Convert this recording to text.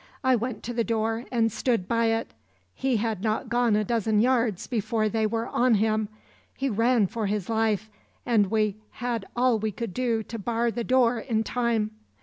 I went to the door and stood by it. He had not gone a dozen yards before they were on him. He ran for his life, and we had all we could do to bar the door in time.